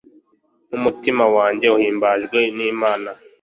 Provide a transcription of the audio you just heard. n'umutima wanjye uhimbajwe n'imana